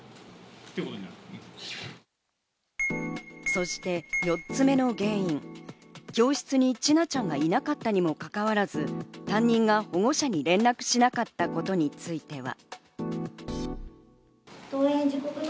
そして４つ目の原因、教室に千奈ちゃんがいなかったにもかかわらず、担任が保護者に連絡しなかったことについては。